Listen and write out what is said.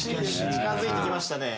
近づいてきましたね。